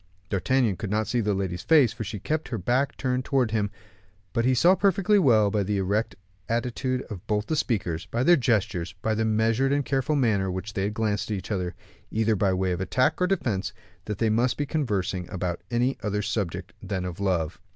D'Artagnan could not see the lady's face, for she kept her back turned towards him; but he saw perfectly well, by the erect attitude of both the speakers, by their gestures, by the measured and careful manner with which they glanced at each other, either by way of attack or defense, that they must be conversing about any other subject than of love.